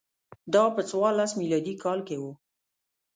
دا په څوارلس میلادي کال کې و